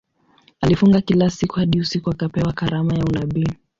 Alifunga kila siku hadi usiku akapewa karama ya unabii.